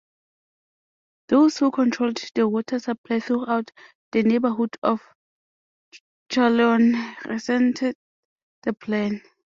Those who controlled the water supply throughout the neighbourhood of Corleone resented the plan.